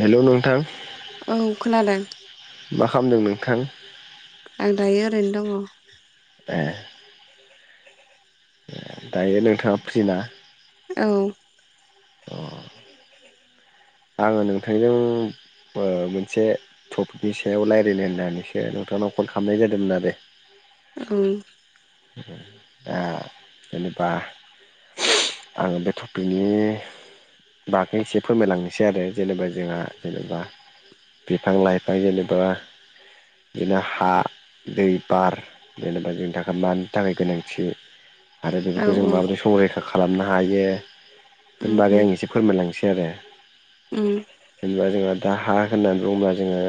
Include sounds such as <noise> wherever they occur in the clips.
Hello नोंथां औ खोनादों मा खामदों नोंथां आं दायो ओरैनो दङ ए दायो नोंथाङा फ्रि ना? औ अ आङो नोंथांजों ओ मोनसे टपिकनि सायाव रायलायनो होननानैसो नोंथांनाव कल खामनाय जादोंमोन आरो ओं ओ दा जेनेबा आं बे टपिकनि बागै एसे फोरमायलांनिसै आरो जेनेबा जोंहा जेनेबा बिफां लाइफां जेनेबा बिदिनो हा दै बार जेनेबा जोंनि थाखाय मानि थाखाय गोनांथि आरो औ बेफोरखौ औ जों माबोरै संरैखा खालामनो हायो उम उम बेफोरनि बागै आं एसे फोरमायलांनोसै आरो उम जेनेबा जोंहा दा हा होननानै बुङोब्ला जोङो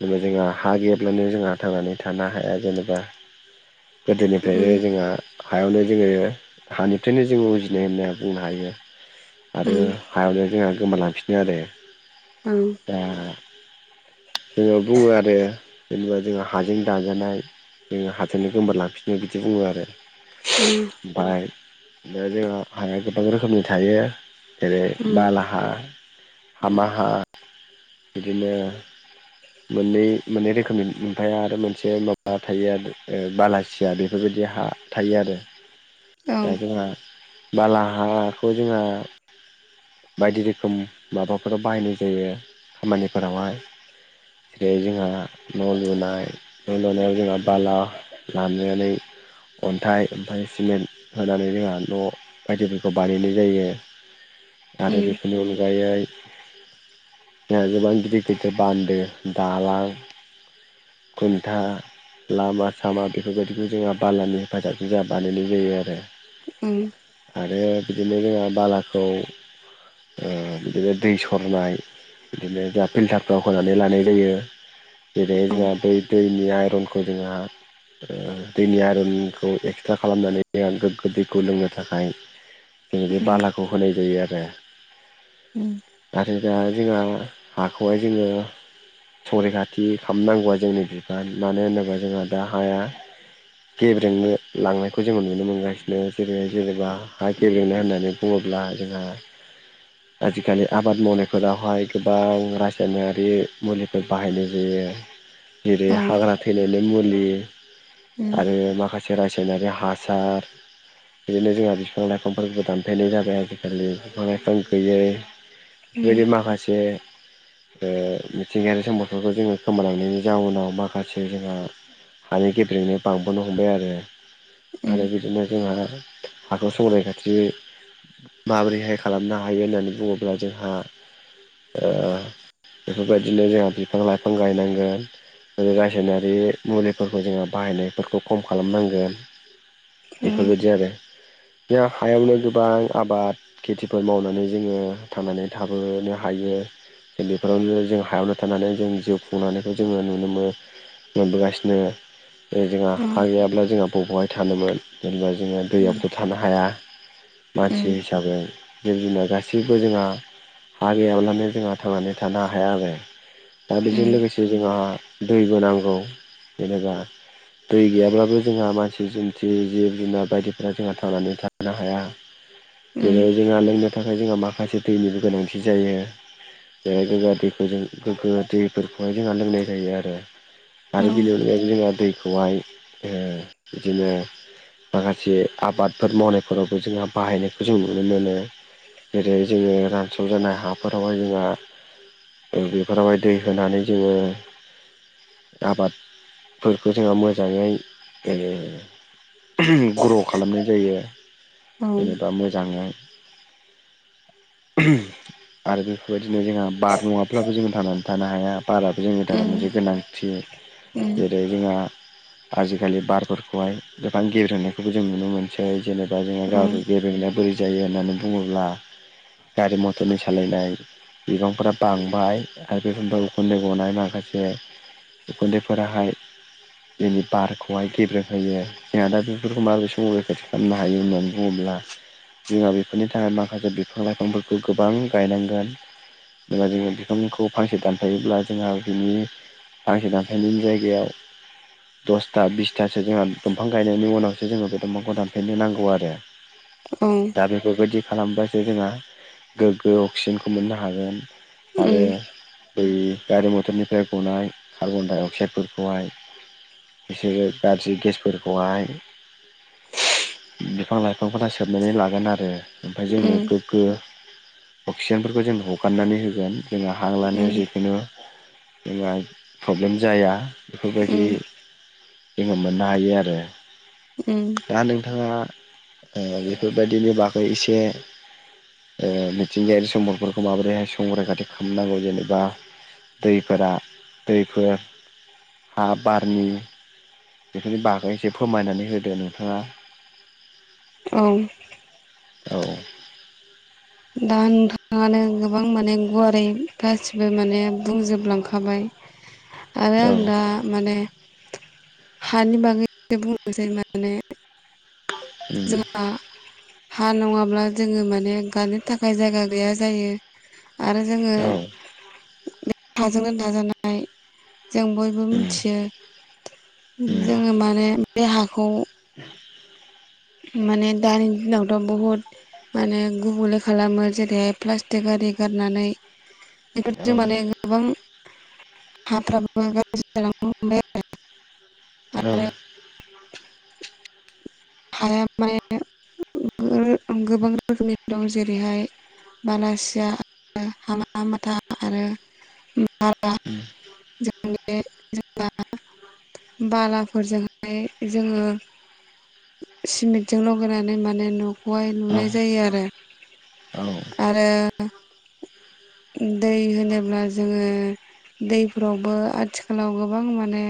जेनेबा जोंहा हा गैयाब्लानो जोंहा थांनानै थानो हाया जेनेबा उम गोदोनिफ्रायनो जोंहा हायावनो जोङो हानिफ्रायनो जोङो उजिनाय होनना बुंनो हायो आरो उम हायावनो जोंहा गोमालांफिनो आरो ओं दा जोङो बुङो आरो जेनेबा जोंहा हाजों दाजानाय जों हा जोंनो गोमोर लांफिननो बिदि बुङो आरो उम बाइक बे जोंहा हाया गोबां रोखोमनि थायो जेरै उम औ उम बाला हा हामाहा बिदिनो मोननै मोननै रोखोमनि ओमफ्राय आरो मोनसे माबा थायो आरो ओ बालासिया बेफोरबायदि हा थायो आरो उम औ दा उम जोंहा बाला हाखौ जोंहा बायदि रोखोम माबाफोराव बाहायनाय जायो खामानिफोरावहाय जेरै जोंहा न' लुनाय न' लुनायाव जोंहा बाला लानानै अन्थाइ ओमफ्राय सिमेन्ट होनानै जोंहा न' बायदिफोरखौ बानायनाय जायो आरो बेफोरनि अनगायै जोंहा गोबां गिदिर गिदिर बान्दो दालां खन्था लामा बेफोरबायदिखौ जोंहा बालानि हेफाजाबजों बानायनाय जायो आरो ओम आरो बिदिनो जोंहा बालाखौ बिदिनो दै सरनाय बिदिनो जोंहा फिल्टारफ्राव होनानै लानाय जायो जेरै औ उम जोंहा दै दैनि आइरनखौ जोंहा दैनि आरयनखौ एक्सट्रा खालामनानै गोग्गो दैखौ लोंनो थाखाय उम औ बि उम बालाखौ होनाय जायो आरो ओम नाथाय दा जोंहा हाखौहाय जोङो संरिखाथि खालामनांगौआ जोंनि बिफान मानो होनोब्ला जोंहा दा हाया गेबेरेंनो लांनायखौ जोङो नुनो मोनगासिनो जेरै जेनेबा हा गेबेनो होननानै बुङोब्ला जोंहा आजिखालि आबाद मावनायफोरावहाय गोबां रासायनारि मुलिफोर बाहायनाय जायो उम औ उम औ उम जेरै हाग्रा थैनाय मुलि उम उम आरो माखासे सेरा सेवनायनि हासार बिदिनो जोंहा बिफां लाइफांफोरखौ दानफायनाय जाबाय बिफां गैयै बेबायदि माखासे मिथिंगायारि सम्पदफोरखौ जोङो खोमालांनायनि जाउनाव माखासे जोंहा हानि गेब्रेंनाया बांबोनो हमबाय आरो आरो बिदिनो जोंहा हाखौ संरैखाथि माबोरैहाय खालामनो हायो होननानै बुङोब्ला जोंहा ओ बेफोरबायदिनो जोंहा बिफां लाइफां गायनांगोन आरो रासायनारि मुलिफोरखौ जोङो बाहायनायफोरखौ खम खालामनांगोन बेफोरबायदि आरो बे हायावनो गोबां आबाद खेथिफोर मावनानै जोङो थांनानै थाबोनो हायो। बेफोरावनो जों हायावनो थानानै जों जिउ खुंनानैखौ जोङो नुनो मोनो मोनबोगासिनो। बिनो जोंहा हा गैयाब्ला जोंहा बबेहाय थानोमोन जेनेबा जोङो दैयाव ब थानो हाया मानसि हिसाबै जों जना गासैबो जोंहा गैयाब्लानो जोंहा थांनानै थानो आरो। दा बेजों लोगोसे जोंहा दैबो नांगौ जेनेबा दै गैयाब्लाबो जोंहा मानसि दुमसि जिब जुनार बायदिफोरा जोंहा थांनानै थानो हाया। जेरै जोंहा लोंनो थाखाय जोंहा माखासे दैनिबो गोनांथि जायो। जेरै गोगो दैखौ जों गोग्गो दैफोरखौहाय जोंहा लोंनाय जायो आरो। औ। गिलेय जोङो दैखौहाय बिदिनो माखासे आबादफोर मावनायफोरावबो जोंहा बाहायनायखौ जों नुनो मोनो। जेरै जोङो रानसल हाफोरावहाय जोंहा - बेफोरावहाय दै होनानै जोङो आबाद फोरफोरखौ जोंहा मोजाङै हो ग्र' खालामनाय जायो जेनेबा मोजाङै आरो बेफोरबायदिनो जोंहा बार नङाब्लाबो जोङो थांनानै थानो हाया। बाराबो जोंनि थाखाय मोनसे गोनांथि। जेरै जोंहा आजिखालि बारफोरखौहाय गोबां गेब्रेंनायखौबो जों नुनो मोनो। जेरै जेनेबा जों <unintelligible> गेब्रेंनाया बोरै जायो होननानै बुङोब्ला गारि मटरनि सालायनाय बिबांफोरा बांबाय आरो <unintelligible> उखुन्दै गनाय माखासे उखुन्दै फोराहाय बिनि बारखौहाय गेब्रेंहोयो। जोंहा दा बेफोरखौ माबोरै सम रैखाथि खालामनो हायो होननानै बुङोब्ला जोंहा बेफोरनि थाखाय माखासे बिफां लाइफांफोरखौ गोबां गायनांगोन। जेब्ला जोङो बिफांखौ फांसे दानफायोब्ला जोंहा बिनि फांसे दां बेनिनो जायगायाव दसथा बिसथासो जोंहा दंफां गायनायनि उनावसो जोङो बे दंफांखौ दानफायनो नांगौ आरो <inaudible> ओं दा बेफोरबायदि खालामबासो जोंहा गोग्गो अक्सिजेनखौ मोननो हागोन। आरो बै गारि मथरनिफ्राय गनाय कार्बन डाइ अक्साइडफोरखौहाय बिसोरो गाज्रि गेसफोरखौहाय बिफां लाइफांफोरा सोबनानै लागोन आरो ओमफाय जोंनो गोग्गो अक्सिजेनफोरखौ जों हगारनानै होगोन। जोंहा हां लानायाव जिखुनु जोंहा प्रब्लेम जाया। बेफोरबायदि जोङो मोननो हायो आरो दा नोंथाङा ओ बेफोरबायदिनि बागै एसे ओ मिथिंगायारि सम्फोरखौ माबोरैहाय संरखाथि खालामनांगौ जेनेबा दैफोरा दैफोर हा बारनि बेफोरनि बागै एसे फोमायनानै होदो नोंथाङा। <inaudible> ओं औ। दा नोंथाङानो गोबां माने गुवारै गासिबो माने बुंजोबलांखाबाय। <inaudible> आरो आं दा माने हानि बागै बुंनोसै मोन माने उम जोंहा हा नङाब्ला जोङो माने गानो थाखाय जायगा गैया जायो आरो जोङो औ <unintelligible> हाजोंनो दाजानाय जों बयबो उम मिथियो उम जोङो माने बे हाखौ <inaudible> माने दानि दिनावथ' बहुद माने गुबुंले खालामो जेरैहाय प्लास्टिक आरि गारनानै औ बेफोरजों माने गोबां हाफ्राबो गाज्रि जालांनो हमबाय औ आरो हाया माने <inaudible> <unintelligible> गोबां रोखोमनि दं जेरैहाय बालासिया हामामाथा आरो बाला उम <unintelligible> बालाफोरजोंहाय जोङो सिमेन्टजों लगायनानै माने न'खौहाय लुनाय जायो आरो औ आरो दै होनोब्ला जोङो दैफोरावबो आथिखालाव गोबां माने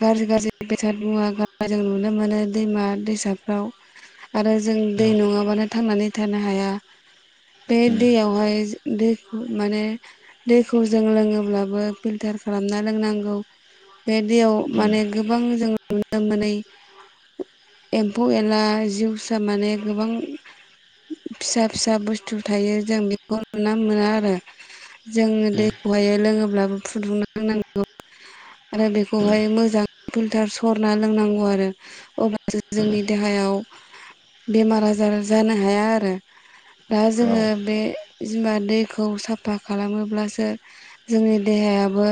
गाज्रि गाज्रि बेसाद मुवा गारनाय जों नुनो मोनो दैमा दैसाफ्राव आरो जों औ दै नङाबानो थांनानै थानो हाया बे उम दैयावहाय जों दैखौ माने दैखौ जों लोङोब्लाबो फिल्टार खालामना लोंनांगौ बे दैयाव उम माने गोबां जों नुनो मोनै एम्फौ एनला जिउसा माने गोबां फिसा फिसा बुस्थु थायो जों बेखौ नुना मोना आरो जोङो उम दैखौहाय लोङोब्लाबो फुदुंना लोंनांगौ आरो उम बेखौहाय मोजां फिल्टार सरना लोंनांगौ आरो अब्लासो जोंनि देहायाव बेमार आजार जानो हाया आरो दा औ उम औ जोङो बे जिमान दैखौ साफा खालामोब्लासो जोंनि देहायाबो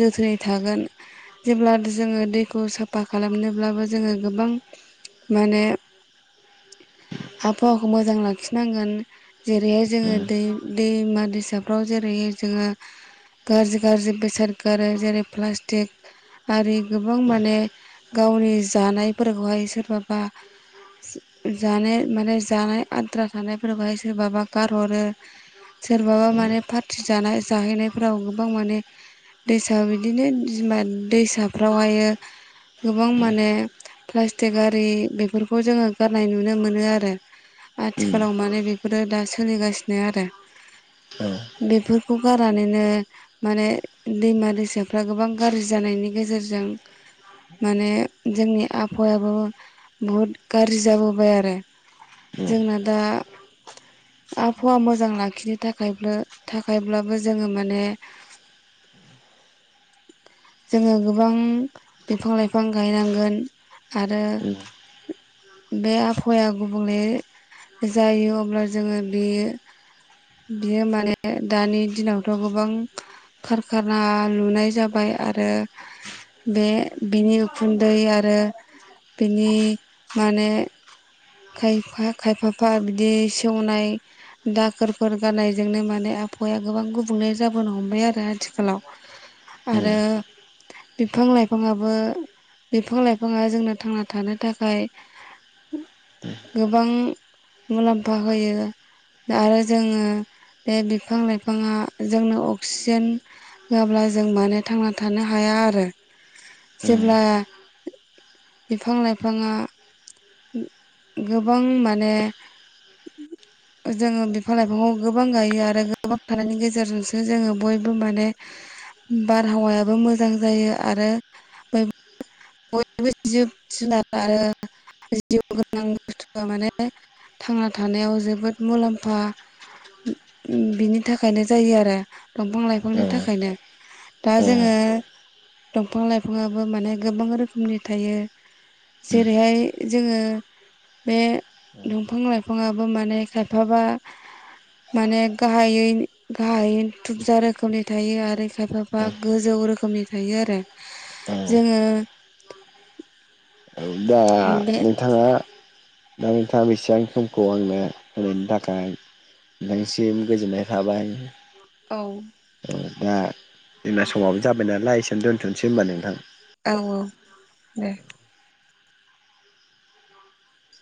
जोथोनै थागोन जेब्ला जोङो दैखौ साफा खालामनोब्लाबो जोङो गोबां माने आबहावाखौ मोजां लाखिनांगोन जेरैहाय जोङो दै दैमा दैसाफ्राव जेरैहाय जोङो गाज्रि गाज्रि बेसाद गारो जेरै प्लास्टिक आरि गोबां माने गावनि जानायफोरखौहाय सोरबाबा जाने माने जानाय आद्रा थानायफोरखौहाय सोरबाबा गारहरो सोरबाबा माने पार्टि जानाय जाहैनायफोराव गोबां माने दैसा बिदिनो बिमा दैसाफ्राव हायो गोबां माने प्लास्टिक आरि बेफोरखौ जोङो गारनाय नुनो मोनो आरो उम आथिखालाव माने बेफोरो दा सोलिगासिनो आरो बेफोरखौ गारनानैनो माने दैमा दैसाफ्रा गोबां गाज्रि जानायनि गेजेरजों माने जोंनि आबहावायाबो बहुद गाज्रि जाबोबाय आरो जोंना दा आब हावा मोजां लाखिनो थाखायबो थाखायब्लाबो जोङो माने जोङो गोबां बिफां लाइफां गायनांगोन आरो उम बे आबहावाया गुबुंले जायो अब्ला जोङो बियो बियो माने दानि दिनावथ' गोबां खार खार न' लुनाय जाबाय आरो बे बिनि उखुन्दै आरो बिनि माने खायफा खायफाफा बिदि सेवनाय दाखोरफोर गारनायजोंनो माने आबहावाया गोबां गुबुंले जाबोनो हमबाय आरो आथिखालाव <inaudible> आरो बिफां लाइफाङाबो बिफां लाइफाङा जोंनो थांना थानो थाखाय गोबां मुलाम्फा होयो आरो जोङो बे बिफां लाइफाङा जोंनो अक्सिजेन होआब्ला जों माने थांना थानो हाया आरो जेब्ला बिफां लाइफाङा गोबां माने जोङो बिफां लाइफांखौ गोबां गायो आरो गोबां <unintelligible> गेजेरजोंसो जोङो बयबो माने बारहावायाबो मोजां जायो आरो बयबो जिब जुनार आरो जिउ गोनां बुस्थुआ माने थांना थानायाव जोबोद मुलाम्फा बिनि थाखायनो जायो आरो दंफां लाइफांनि औ थाखायनो। दा जोङो औ दंफां लाइफाङाबो माने गोबां रोखोमनि थायो जेरैहाय जोङो बे दंफां लाइ फाङाबो माने खायफाबा माने गाहायै गाहाय थुबजा रोखोमनि थायो आरो खायफाफा गोजौ रोखोमनि थायो आरो औ जोङो औ दा बे नोंथाङा दा नोंथाङा बेसेबां समखौ आंनो होनायनि थाखाय नोंथांनिसिम गोजोननाय थाबाय। औ औ दा जोंना समाबो जाबाय नालाय एसेयावनो दोन्थ'नोसै होनबा नोंथां। औ औ दे।